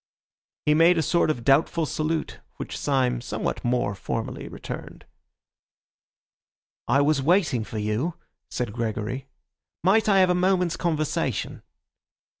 He made a sort of doubtful salute, which Syme somewhat more formally returned. "I was waiting for you," said Gregory. "Might I have a moment's conversation?"